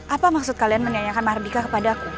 apa maksud kalian menanyakan mardika kepada aku